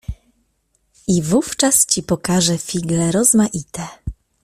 I wówczas ci pokażę figle rozmaite